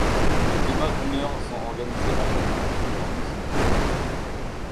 Des débats d'une heure sont organisés à chaque jour, durant une semaine.